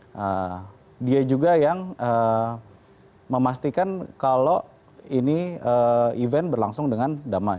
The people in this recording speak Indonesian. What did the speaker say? nah dia juga yang memastikan kalau ini event berlangsung dengan damai